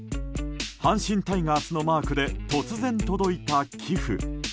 阪神タイガースのマークで突然、届いた寄付。